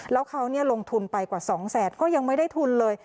แล้วเขาลงทุนไปกว่า๒แสนก็ยังไม่ได้ทุนเลย